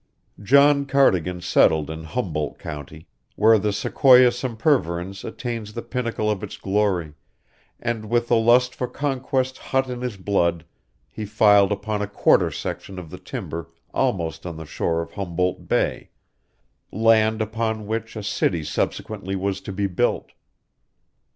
John Cardigan settled in Humboldt County, where the sequoia sempervirens attains the pinnacle of its glory, and with the lust for conquest hot in his blood, he filed upon a quarter section of the timber almost on the shore of Humboldt Bay land upon which a city subsequently was to be built.